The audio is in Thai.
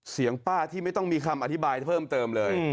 เสียงป้าที่ไม่ต้องมีคำอธิบายเพิ่มเติมเลย